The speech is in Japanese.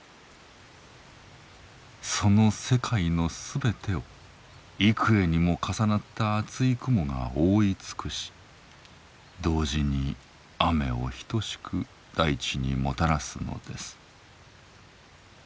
その世界のすべてを幾重にも重なった厚い雲が覆い尽くし同時に雨を等しく大地にもたらすのです。